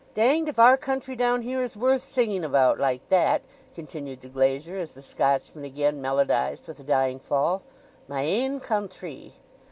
"Danged if our country down here is worth singing about like that!" continued the glazier, as the Scotchman again melodized with a dying fall, "My ain countree!"